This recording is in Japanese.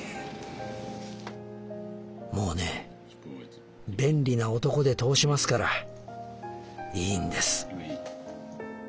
「もうね便利な男で通しますからいいんです」。